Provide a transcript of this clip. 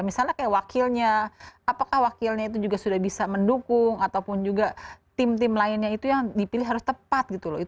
misalnya kayak wakilnya apakah wakilnya itu juga sudah bisa mendukung ataupun juga tim tim lainnya itu yang dipilih harus tepat gitu loh